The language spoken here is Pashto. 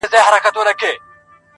حقيقت بايد ومنل سي دلته,